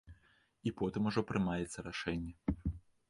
І потым ужо прымаецца рашэнне.